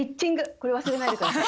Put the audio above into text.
これ忘れないで下さい。